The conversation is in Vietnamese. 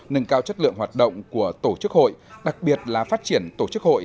nâng cao chất lượng hoạt động của tổ chức hội đặc biệt là phát triển tổ chức hội